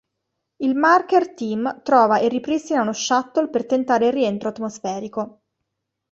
Il Marker Team trova e ripristina uno shuttle per tentare il rientro atmosferico.